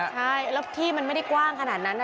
ใช่แล้วที่มันไม่ได้กว้างขนาดนั้น